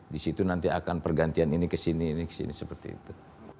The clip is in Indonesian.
di situ nanti akan pergantian ini ke sini ini kesini seperti itu